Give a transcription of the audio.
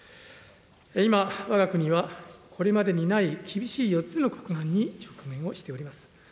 今、わが国はこれまでにない厳しい４つの国難に直面をしております。